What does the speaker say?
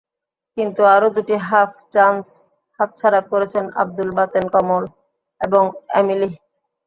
কিন্তু আরও দুটি হাফ চান্স হাতছাড়া করেছেন আবদুল বাতেন কমল এবং এমিলি।